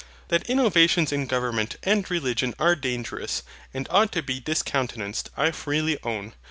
That innovations in government and religion are dangerous, and ought to be discountenanced, I freely own.